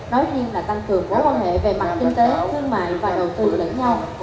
nói riêng là tăng cường mối quan hệ về mặt kinh tế thương mại và đầu tư lẫn nhau